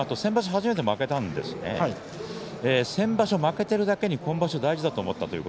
初めて負けたんですが先場所、負けているだけに今場所大事だと思った。